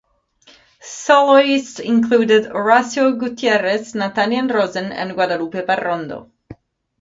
Soloists included Horacio Gutierrez, Nathaniel Rosen and Guadalupe Parrondo.